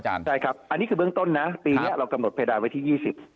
ใช่ครับอันนี้คือเบื้องต้นนะปีนี้เรากำหนดเพดานไว้ที่๒๐